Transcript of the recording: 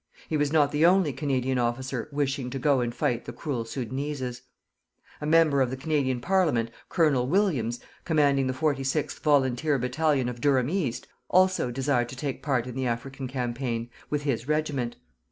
He was not the only Canadian officer wishing to go and fight the cruel Soudaneses. A member of the Canadian Parliament, Colonel Williams, commanding the 46th volunteer battalion of Durham East, also desired to take part in the African campaign with his regiment.